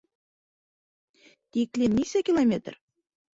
... тиклем нисә километр?